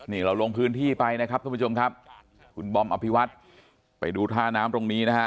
นี่เราลงพื้นที่ไปนะครับทุกผู้ชมครับคุณบอมอภิวัตรไปดูท่าน้ำตรงนี้นะฮะ